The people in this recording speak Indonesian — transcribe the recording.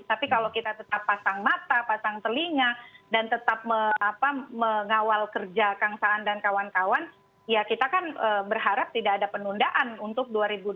tapi kalau kita tetap pasang mata pasang telinga dan tetap mengawal kerja kang saan dan kawan kawan ya kita kan berharap tidak ada penundaan untuk dua ribu dua puluh